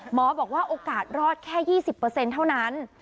บอกว่าโอกาสรอดแค่๒๐เท่านั้น